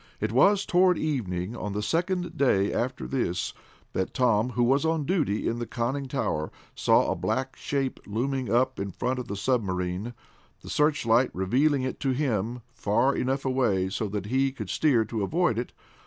It was toward evening, on the second day after this, that Tom, who was on duty in the conning tower, saw a black shape looming up in front of the submarine, the searchlight revealing it to him far enough away so that he could steer to avoid it.